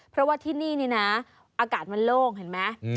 เพราะว่าที่นี่นี่นะอากาศมันโล่งเห็นไหม